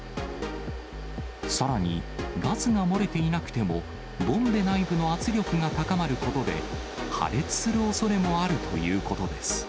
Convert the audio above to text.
さらに、ガスが漏れていなくても、ボンベ内部の圧力が高まることで、破裂するおそれもあるということです。